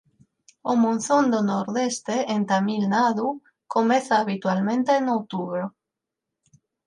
O monzón do nordeste en Tamil Nadu comeza habitualmente en outubro.